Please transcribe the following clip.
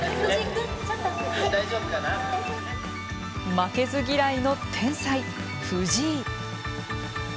負けず嫌いの天才・藤井。